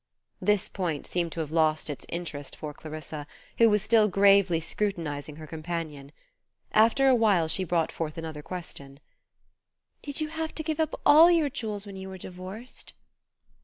This point seemed to have lost its interest for Clarissa, who was still gravely scrutinizing her companion. After a while she brought forth another question. "Did you have to give up all your jewels when you were divorced?"